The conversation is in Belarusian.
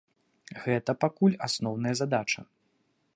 Гэта пакуль асноўная задача.